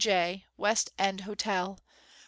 J Weal End Hotel ..